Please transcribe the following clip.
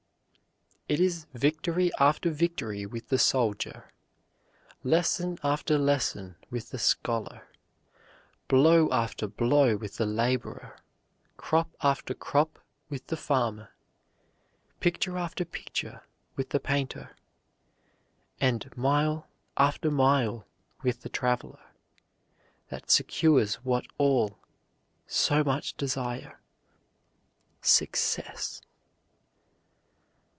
It is victory after victory with the soldier, lesson after lesson with the scholar, blow after blow with the laborer, crop after crop with the farmer, picture after picture with the painter, and mile after mile with the traveler, that secures what all so much desire SUCCESS.